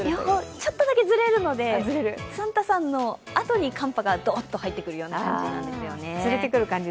ちょっとだけずれるので、サンタさんのあとに寒波がどーっと入ってくるような感じなんですよね。